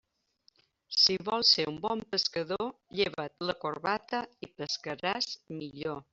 Si vols ser un bon pescador, lleva't la corbata i pescaràs millor.